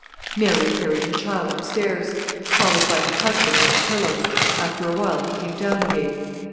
Mary carried her child upstairs, followed by her husband with the pillows. After a while he came down again.